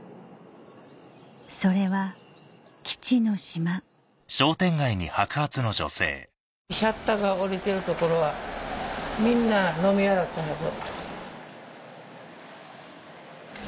それは「基地の島」シャッターが下りてる所はみんな飲み屋だったはず。